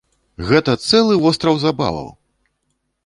Гэта цэлы востраў забаваў!